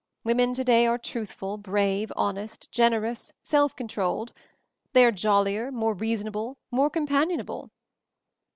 Women to day are truthful, brave, honest, generous, self controlled ; they are — jollier, more reasonable, more compan ionable."